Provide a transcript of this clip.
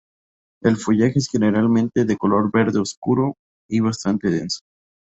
El follaje es generalmente de color verde oscuro y bastante denso.